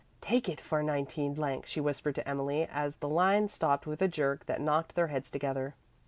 "Take it for 19 ," she whispered to Emily, as the line stopped with a jerk that knocked their heads together.